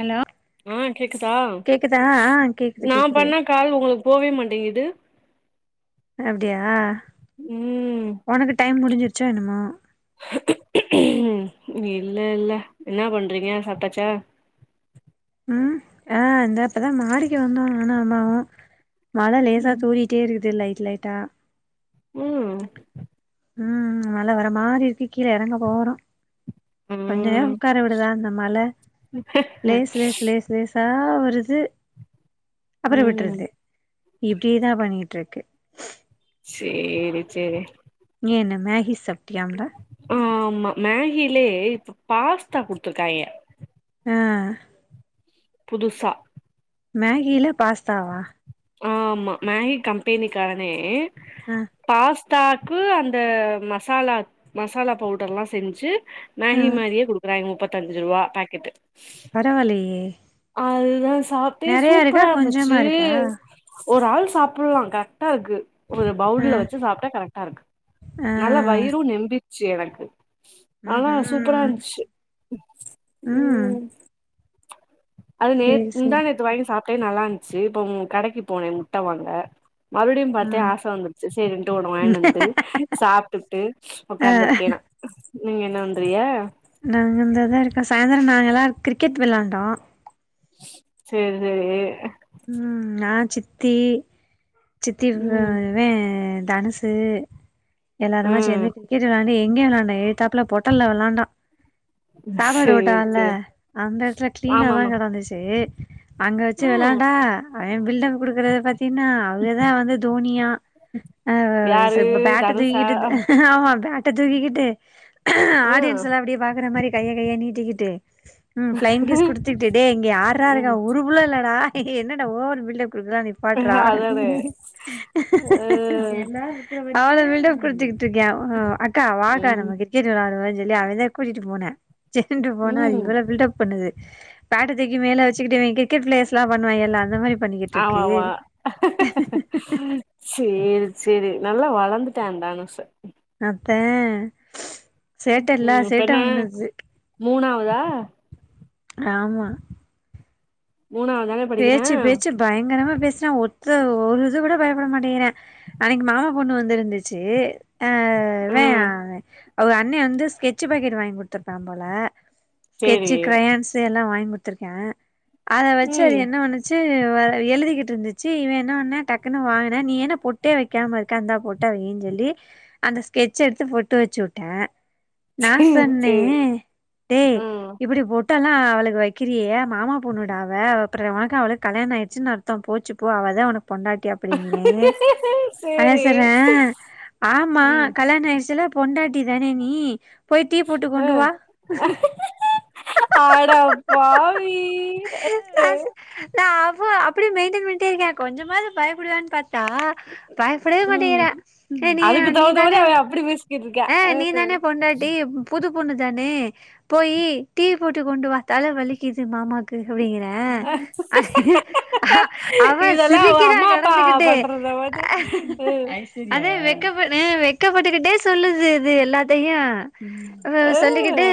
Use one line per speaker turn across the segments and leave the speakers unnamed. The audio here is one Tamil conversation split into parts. ஹலோ
ஆஹ் கேக்குதா
கேக்குதா ஆ கேக்குது
நா
கேக்குது
பண்ணா கால் உங்ளுக் போவேமாட்டேங்கிது
அப்டியா உனக்கு டைம் முடிஞ்சிருச்சோ என்னமோ
இல்ல இல்ல என்ன பண்றீங்க சாப்டாச்சா
உம் ஆஹ் இந்த இப்பதா மாடிக்கு வந்தோ நானு அண்ணாவு மழ லேசா தூரிட்டே இருக்குது லைட் லைட்டா
உம்
உம் மழ வர மாரி இருக்கு கீழ எறங்க போறோ கொஞ்சோ நேரோ
ம்
உட்கார விடுதா அந்த மழ லேஸ் லேஸ் லேஸ் லேஸா விழ்து அப்புறோ
ம்
விட்டுறது இப்டியேதா பண்ணிட்ருக்கு
சேரி சேரி
நீ என்ன மேஹி சாப்டியாம்ல
ம் ஆமா மேஹிலயே இப்ப பாஸ்தா குடுத்துருக்காய்க
ஆ
புதுசா
மேஹில பாஸ்தாவா
ஆம்மா மேகி கம்பெனி காரனே
ஆ
பாஸ் தாக்கு அந்த மசாலா மசாலா பவுடர்ல்லா செஞ்சு
ஆ
மேஹி மாறியே குடுக்குறாங்க முப்த் பத்தஞ்சு ரூபா பாக்கெட்டு
பரவாயில்லயே
அதுதா சாப்டே சூப்பரா
கொஞ்சமா
இருந்துச்சு
இருக்கா
ஒரு ஆள் சாப்பில்லா க ரெக்டா இருக்கு ஒரு
ஆ
பவுல்ல வச்சு சாப்பிட்டா கரெக்டா இருக்கு நல்லா
ஆ
வயிரு நெம்பி சே எனக்கு ஆனா சூப்பரா
ம்ஹூம்
இருந்துச்சு
ம்
உம் அது நேத்
சேரி சேரி
முந்தாநேத்து வாங்கி சாப் முட்டே நல்லா இருந்துச்சு இப்போ உ கடைக்கு போனேன் முட்டை வாங்க மறுபடியும்
ஆ
பார்த்தே ஆசை வந்துருச்சு சேரின்னுட்டு ஒன்னு வாங்கினு வந்து சாப்பிட்டுட்டு
ஆ
உக்காந்துருக்கேன் நா நீங்க என்ன பண்ணுறியா
நாங்க இந்தந்ததான் இருக்கோம் சாயந்தரம் நாங்க எல்லாம் கிரிக்கெட் விளாண்டோம்
சரி சரி
ம் நா சித்தி சித்திவே
ம்
இவே தனுசு எல்லாருமா
ம்
சேர்ந்து கிரிக்கெட் விளாண்டி இங்கே விளாண்டோ எதுத்தாப்புல பொட்டல்ல விளாண்டோ சாப்பாடு
சேரி
ஓட்டம்ல
சேரி
அந்த இடத்துல
ஆமாமா
கிளீனாதான் கடந்துச்சு அங்க வச்சு
ம்
விளாண் அவன் பில்டப் குடுக்கறத பாத்தீன்னா அவுகதான் வந்து தோனியா ஆவ்
யாரு
செ பேட்ட
தனுஷா
தூக்கிட்டு ட்ட தூகிகிட்டு
ஆ
ஆடியன்ஸ் எல்லாம் அப்படியே பாக்குற மாதிரி கைய கைய நீட்டிகிட்டு ம் பிளைங் கிஸ் குடுத்துக்கிட்டு டே இங்கயார் யாருக்கா
ம்
உருபுல்ல இல்லடா ஹ்ஹே என்னடா ஓவர் பில்டப் குல்ல நிபாட்றா
அதானே
இஹ்இஹ்இஹ்ஹே
அ
அவ்ள மீல்டப் குடுத்தக்கு க்க அக்கா வாக்கா
ம்
நம்ம கிரிக்கெட்டு விளையாடுவ இல்ல அவதான் கூட்டிட்டு போனன் சேட்டு [unintelligible] போனா அது
ம்
இவ்வள பில்ட அப் பண்ணுது பன்ட்ட தைக்கி மேலே வச்சுக்கிட்டேங்க இவ கிரிக்கெட் [unintelligible] ல்லாம் பண்ணுவ எல்லாம் அந்த மாதிரி பண்ணிக்கிட்டு
ஆமா
இருக்கு
ஆமா சரி நல்லா வளர்ந்துட்டேந்தானஷ
அ [inaudible] சேட்டைல்ல சேட்டை ஒண்ணுது
போதா [unintelligible]
ஆமா
மூணாவது தானே படிக்கிறா
பேச்சு பேச்சு பயங்கரமா பேச ஒத்த ஒரு இது விட பயப்பட மாட்டேறேன் அன்னைக்கு மாமா பொண்ணு வந்துிருந்துச்சு ஆஹ வேன்
ம்
அவங்க அண்ணனை வந்து ஸ்கெச்சு பாக்கெட்டு வாய்ங் குடுத்திருப்பாம் போல
சேரி
ஸ்கெச்சு க்ரையான்ஸு எல்லா வாய்ங் கு த்துருக்கே ஆன ச்சு அத
ம்
என்ன வண்ணுச்சு வ எழுதிக்கிட்டு இருந்துச்சி இவே என்ன பண்ணா டக்குனு வாங்குனா நீ என்னா பொட்டே வைக்காம இருக்க இந்தா பொட்டா வெய்யின் சொல்லி அந்த ஸ்கெச்ச எடுத்து பொட்டு வெச்சுட்டே நா
சேரி
சொன்னே
சேரி
டேய்
ம்
இப்பிடி பொட்டல்லா அவுளுக் வெக்கிறியே மாமா பொண்ணுடாவ ப்புற உனக்கு அவுளுக் கல்யாணோ ஆயிருச்சுன் அர்த்தோ போச்சு போ அவ தா உனக் பொண்டாட்டி அப்டிங்கிறே அவ
சேரி
சொல்றே ஆமா
ம்
கல்யாண ஆயிருச்சுல பொண்டாட்டி தானே நீ போய் டீ போட்டு
அ
கொண்டு வா
அட பாவி அ
காசு நா அவ அப்டே மெய்ன்டென் பண்ட்டே இருக்கே கொஞ்சமாது பயப்படுவான் பாத்தா பயப்படவே
ம்
மாட்டிகிறா ஏ நீயு
அதுக்கு
நீ
தகுந்த மாரி
தானே
அவ அப்டி பேசிக்கிட்டு இருக்கா
அ நீ தானே பொண்டாட்டி புது பொண்ணுதானே போயி டீ போட்டு கொண்டு வா தல வலிக்குது மாமா க்கு அப்டிங்கறே அ அவ
இதெல்லா அவ
சிரிக்கறா
அம்மா அப்பா
கடந்துகிட்டு
பண்றத வந்து ம்
அதே வெக்கப் அ வெக்கப் ட்டுக்கிட்டே சொல்லுது இது எல்லாத்தையு அ
அ
சொல்லிக்கிட்டு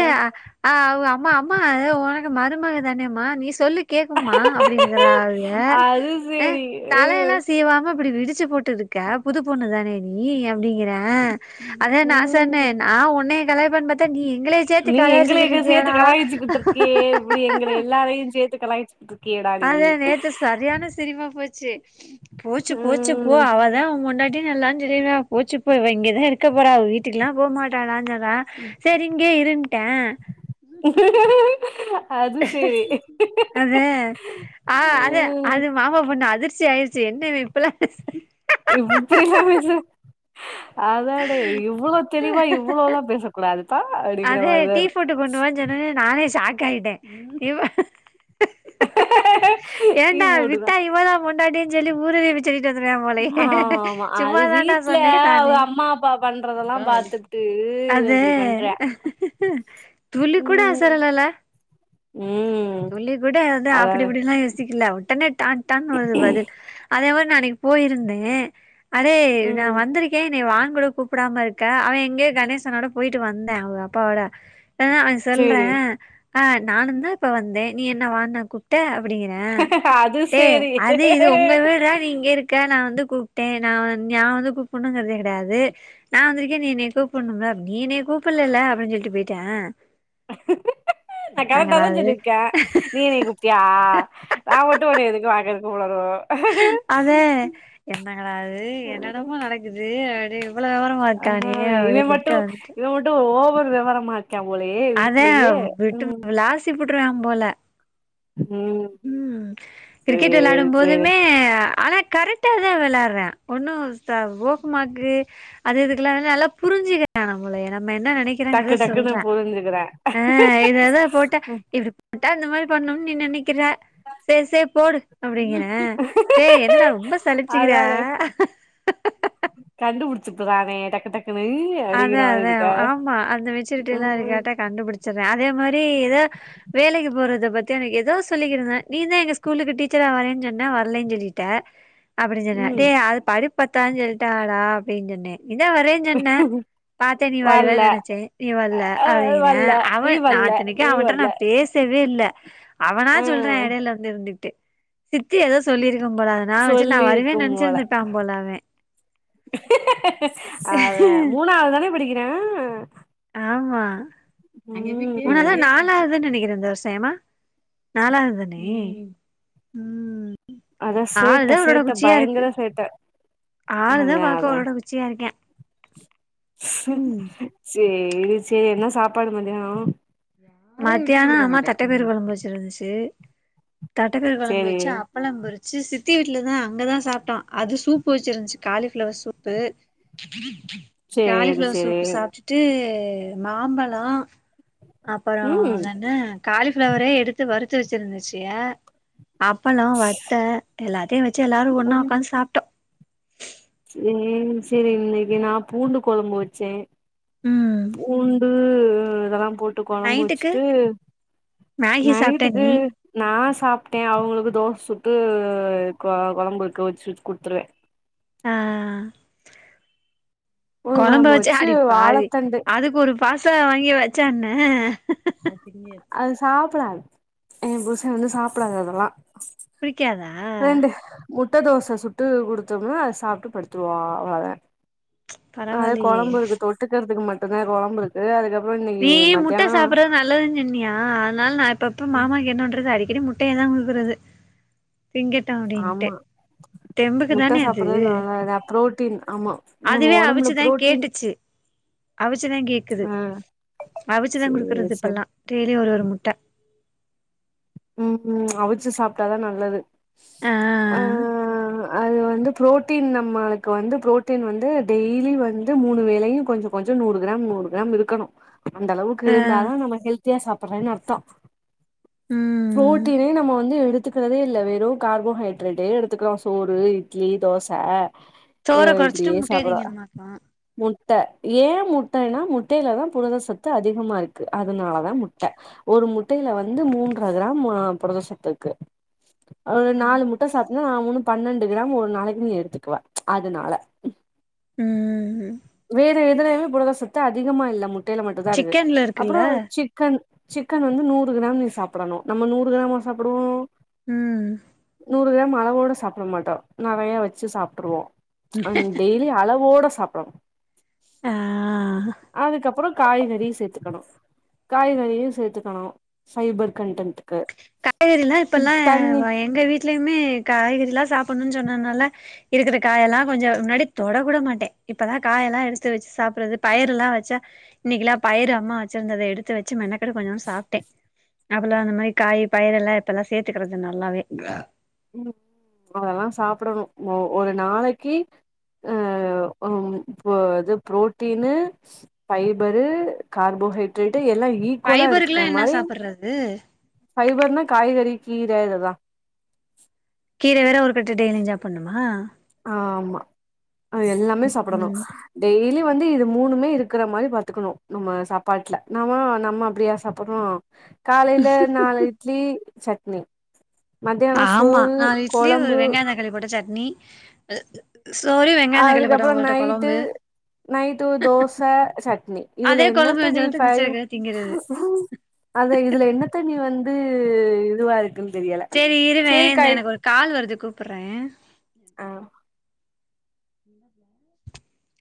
அ அவ் அ அம்மா இவ உனக்கு மருமக தானேம்மா நீ சொல்லு கேக்கும்மா அப்டின்னுக்கிராளுக
அது
அ
சேரி
தலையெல்லா சீவாம இப்டி விரி ச்சு போட்டுருக்க புது பொண்ணு தானே நீ அப்டிங்கறே அத நா
ம்
சொன்னே
ம்
நா உன்னய கலாய்ப்பன் பாத்தா நீ எங்களயே சேத்து கலயாச்சிகிட்டு இருக்கியேடா
கீச்சுட்ருக்கியே இப்பிடி எங்களை எல்லாரையு சேத்து கலாய்ச்சுட்டுட்
அதா நேத்து சரியான சிரிப்பா போ ச்சு போச்சு போச்சு போ
ம்
அவதா உம் பொண்டாட் அப்டின் எல்லா சொல்லிருக்கா போச்சு போ இவ இங்கதா இருக்க போறா அவ வீட்டுக்கெல்லா போ மாட்டா நா சொல்றே சேரி இங்யே இருன்ட்டே
இ
அத ஆ அத
ம்
அது மாமா பொண்ணு அதிர் ச்சு ஆயிருச்சு என்ன இவ இப்பில்லா பேச
இவ் இப்படில்லா பேசற அதோடய இவ்வுளோ தெளிவா இவ்ளோல்லா பேசக் கூடாதுப்பா அப்டிங்கிற
அதே
மாரிதா இரு
அக்க இட நீவ
மூடு தான்
டிய ஜல்லி ஊறுவிச்சிரு ன் மல
ஆமா அது
சும்மாதான்டா
வீட்ல
சொன்னேன் நானு
அவங்க அம்மா அப்பா பண்றதெல்லா பாத்துட்டு இவ
அது
இப்டி பண்றா
துளி கூட
ம்
ஆசரலல
ம்
சொல்லி கூட அதாவது அப்படி
அதானே
இப்படல்லாம் யோசிக்கல உடனே டான் டான்னு வருது பதில் அதே மாதிரி நா அன் னைக்கு போயிருந்தேன் அதே நான்
ம்
வந்திருக்கேன் நீ வாங் கூட கூப்பிடாம இருக்க அவன் எங்கேயோ கணேசனோட போயிட்டு வந்தேன் அவ அப்பாவோட ஆான் அவ
சேரி
சொல்றேன் ஆஹ் நானும் தா இப்ப வந்தே நீ என்ன வான்னா கூப்பிட்ட அப்படிங்கிறேன்
அது
டே
சேரி
அது இது உங்க வீட்ரா தான் நீ இங்க இருக்க நான் வந்து டேய் கூப்பிட்டேன் நான் வ நான் வந்து கூப்பிடணுங்கறதே கிடையாது நான் வந்திருக்கேன் நீ என்ன கூப்பிடணும்ல அப்பட நீ என்ன கூப்பிடலல்ல அப்படின்னு சொல்லிட்டு போயிட்டேன் என்ங்காவது
இருக்கன் நீ நீ என்ன கூப்பிட்டியா நான் மட்டும் வந்து [unintelligible]
அதே என்ன என்ன டா அது என்னாமோ நடக்குது அப்படி இவ்வளவு விவரமா
அதா
இருக்காங்கே அப்படின்னு சொல்லட்டு வந்துட்டு
விவரமாக் க்கவளையே வீட்லயே உம்
ப்படுறா போல உம் கிரிக்கெட்
சேரி
விளாடும்
சேரி
போதுமே ஆலக் கரெக்டா தான் வெளையாற்றேன் ஒன்னும் ச போக்குமாக்கு அது இதுக்கெல்லாம் நல்லா புரிஞ்சுக்கிறன் நம்மள யாரு ம்ம என்ன நெனைக்கிறேங்கறத
டக்கு டக்குன்னு
சொல்றேன்
புரிஞ்சுக்கிறே
ஆ இததான் போட்டா இப்படி போட்டா இந்த மாரி பண்ணும் நீ நினைக் க்கிற சேரி சேரி போடு அப்படிங்கிறேன் ஏ என்னடா ரொம்ப சலிச்சுக்கிற
அதானே சுத்துறானே டக்கு டக்
அதான் அதான் ஆமா அந்த மெச்சூரிட்டி எல்லாம்
ம்
இருக்காட்ட கண்டுபிடிச்சறேன் அஃ அதே மாரி ஏதோ வேலைக்கு போறத பத்தி அன்னைக்கு ஏதோ சொல்லிக்குட்ருந்தேன் நீதான் எங்க ஸ்கூலுக்கு டீச்சரா வரேன்னு சொன்னா வரலைன்னு சொல்லிட்டே அப்படின்னு சொன்னன்
ம்
டேய் அது படிப் பத்தாதுன்னு சொல்ட்டாகடா அப்படின்னு சொன்னேன் நீதா வரேன்னு சொன்ன பாத்தே நீ
வல்ல
வருவேன்னு நெனச்சே நீ வர்ல
அ
அப்டின்னா
வல்ல
அவ
நீ
நா
வல்ல
இத்தனைக்கு
நீ
அவன்ட்ட
வல்ல
நா பேசவே இல்ல [inaudible] அவனா
ஆ
சொல்றா எடையில வந்து இருந்துட் ட்டு சித்தி ஏதோ சொல்லிருக்
சொல்லிருக்கும் போல
போல அவன்.
அதா மூணாவது தான இப் படிக்கிறா
ஆமா மூனாவதா
ம்
நாலாவது நெனைக்கிறே இந்த வருஷோ ஏம்மா நாலாவது தானே
அதா
ஆளு
சேட்ட
தா அவ்ளோடட
சேட்ட
குச்சியா இருக்கு
பயங்கர சேட்ட
ஆளு தா
அதா
பாக்க
அதா
அவ்ளோட குச்சியா இருக்கியா
சேரி இருச்சே என்ன சாப்பாடு மதியானம்
மத்தியானம் அம்மா தட்டப்பயிறு கொழம்பு வச்சிருந்துச்சு தட்டப்பயறு கொழம்பு
சேரி
வச்சு அப்பளம் பொறிச்சு சிப் த்தி வீட்ல தா அங்கதா சாப்ட்டோம் அது சூப்பு வச்சுருந்துச்சு காலிஃப்ளவர் சூப்பு
சேரி
காலிஃபிளவர்
சேரி
சூப்பு சாப்ட்டுட்டு மாம்பழொ அப் அப்பறோ
ம்
என்னன்னா காலிஃபிளவரே எடுத்து வருத் த்து வச்சிருந்துச்சியா அப்பளோ வத்த டு எல்லாத்தையு சி எல்லாரு ஒண்ணா
ம்
உக்காந்து சாப்பிட்டோம்
சேரி சேரி இன்னைக்கு நா பூண்டு கொழம்பு வச்சே
ம்
பூண்டு இதெல்லா போட்டு கொழம்பு
நைட்டுக்கு
வச்சிட்டு
மேகி சாப்ட்ட
நைட்டுக்கு
நீ
நா சாப்ட்டே அவங்களுக்கு தோச சுட்டு கொ கொழம்பு இருக்கு வச்சி குடுத்துருவே
ஆ
பூண்டு
கொழம்ப
கொழம்பு
வச்சு அடிப்பாவி
வாழத்தண்டு
அதுக்கு ஒரு பாஸ்தா வாங்கி வை சொன்ன
அது சாப்பிடாது என் புருஷ வந்து சாப்பிடாது அதெல்லா
பிடிக்காதா
ரெண்டு முட்ட தோச சுட்டு குடுத்தோம்னா அத சாப்ட்டு படுத்துடுவா அவ்ளோதா அத
பரவால்லயே
கொழம்பு இருக் தொட்டுக்குறதுக்கு மட் டுதா கொழம்பு இருக்கு அதுக்கப்
நீ முட்ட சாப்பிடறது நல்லதுன்னு சொன்னியா அதுனால நா அப்ப அப்ப மாமாக்கு என்ன பண்றது அடிக் கடி முட்டைய தா குடுக்குறது திங்கட்டோ அப்டின்ட்டு
ஆமா
தெம்புக்கு
முட்ட
தானே அது
சாப்பிடுறது நல்லது புரோட்டீன் ஆமா நம்ம
அதுவே
ஒடம்புல
அவிச்சுதா
புரோட்டீன்
கேட்டுச்சு அவிச்சுதா கேக்குது
ஆ
அவிச்சுதா
சேரி
குடுக்குறது
சேரி
இப்பெல்லா டே லி ஒரு ஒரு முட்ட
உம் அவிச்சு சாப்ட்டாதா நல்லது
ஆ
ஆஹ் அது வந்து புரோட்டின் நம்மளுக்கு வந்து புரோட்டின் வந்து டெய்லி வந்து மூணு வேளையு கொஞ்சொ கொஞ்சொ நூறு கிராம் நூறு கிராம் இருக்கணு அந்த அளவுக்கு
ஆ
இருந்தா தா நம்ம ஹெல்தியா சாப் றோனு அர்த்தொ
ம்
புரோட்டினே நம்ம வந்து எடுத்துக்குறதே இல்ல வெறு கார்போஹைட்ரேட்டே எடுத்துக்குறோ சோறு இட்லி தோச
சோற குறச்சுட்டு முட்டையா திங்கணுமாக்கு
ட்ட ஏ முட்டைன்னா முட் டையில தா புரத சத்து அதிகமா இருக் அதனாலதா முட்ட ஒரு முட்டையில வந்து மூன்ற் ற கிராம் புரத சத்து இருக்கு ஆஹ்
ம்
நாலு முட்ட சாப்ட்டேனா அவுனு பன்னெண்டு கிராம் ஒரு நாளைக்கு நீ எடுத்துக்குவ அதனால
உஹ்ம் உம்
வேற எதுலையுமே புரதசத்து அதிகமா இல்ல முட் டைல மட்டு தா இருக்கு
சிக்கன்ல இருக்குல்ல
அப்புறோ சிக்கன் சிக்கன் வந்து நூறு கிராம் நீ சாப்பிடணு நம்ம நூறு கிராமா சாப்பிடுவோ
உம்
நூறு கிராம் அளவோட சாப்பிட மாட்டோ நெறையா வச்சு சாப்ட்டுருவோ அன் டெய்லி அளவோடச் சாப்டணு
ஆ
அதுக்கப்புறோ காய்கறியு சேத்துக்கணு காய்கறியு சேத்துக்கணு ஃபைபர் கன்டென்ட்க்கு
காய்கறி எல்லா இப்பல்லா
தண்ணி
எங்க வீட்லயுமே காய்கறி எல்லா சாப்பிடணுன்னு சொன்னதுனால இருக்குற காயெல்லா கொஞ்சொ முன்னாடி தொடக்கூட மாட்டே இப்பதா காயெல்லா எடுத்து வெச்சு சாப்பிடுறது பயிருலா வெச்சா இன்னைக்குல்லா பயிரு அம்மா வெச்சிருந்தத எடுத்து வெச்சு மெனக் இப்பதா கொஞ்சோன்டு சாப்ட்டே அபல்லா அந்த மாரி காய் பயிரெல்லா இப்பெல்லா சேர்த்துக்குறது நல்லாவே
உம் அதெல்லா சாப்பிடணு ஒ ஒரு நாளைக்கு அஹ் உ பு அது ப்ரோட்டீனு ஃபைபரு கார்போஹைட்ரேட் வந்து எல்லாம் ஈக்குவலா
ஃபைபருக்குலா
எடுத்துக்க
என்ன
மாரி
சாப்புட்றது
ஃபைபர் நா காய்கறிக் கீர இது தான்
கீரை வேற ஒரு கட்டு டெய்லியும் ஜாப்புண்ணுமா
ஆ ஆமா எல்லாமே சாப்பிடணும் டெய்லி வந்து இது மூணுமே இருக்கிற மாரி பாத்துக்கணும் நம்ம சாப்பாட்ல நாம நம்ம அப்படியா சாப்புடுறோம் காலையில் நாலு இட்லி சட்னி மத்தியானம் சோறு கொழம்பு
னி
அதுக்கப்புறம் நைட்டு நைட்டு தோசை சட்னி இதுல
அதே கொழம்பு
என்னத நீ
வெஞ்சனத்த
ஃபை
மிச்ச இருக்க திங்கிறது
அது இதுல என்னத ணி வந்து ந்து இதுவா இரு
சரி இருவேன் இந்த எனக்கு ஒரு கால் வருது கூப்புட்றேன்
ஆ